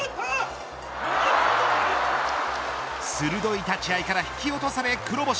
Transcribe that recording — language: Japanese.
鋭い立ち合いから引き落とされ黒星。